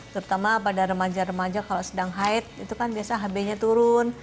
terutama pada remaja remaja kalau sedang haid itu kan biasa hb nya turun